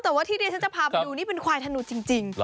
แต่ว่าที่ดิฉันจะพาไปดูนี่เป็นควายธนูจริง